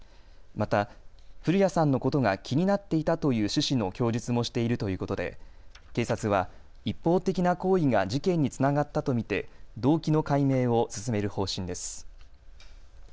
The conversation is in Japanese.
また、古屋さんのことが気になっていたという趣旨の供述もしているということで警察は一方的な好意が事件につながったと見て動機の解明を進める方針です。